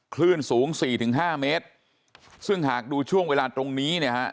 คลื่นสูง๔๕เมตรซึ่งหากดูช่วงเวลาตรงนี้เนี่ยฮะ